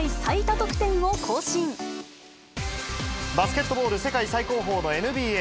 得点バスケットボール世界最高峰のＮＢＡ。